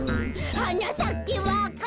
「はなさけわか蘭」